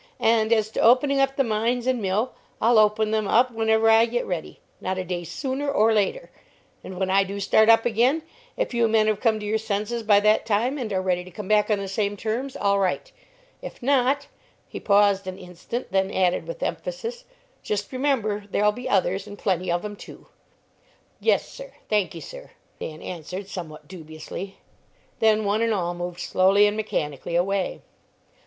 And as to opening up the mines and mill, I'll open them up whenever I get ready, not a day sooner or later; and when I do start up again, if you men have come to your senses by that time and are ready to come back on the same terms, all right; if not," he paused an instant, then added with emphasis, "just remember there'll be others, and plenty of 'em, too." "Yes, sir; thank ye, sir," Dan answered, somewhat dubiously; then one and all moved slowly and mechanically away.